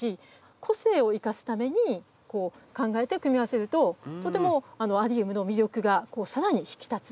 個性を生かすために考えて組み合わせるととてもアリウムの魅力がさらに引き立つ。